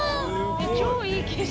超いい景色！